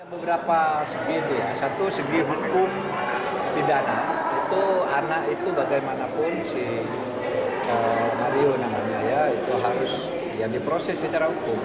beberapa segi itu ya satu segi hukum pidana itu anak itu bagaimanapun si mario namanya ya itu harus diproses secara hukum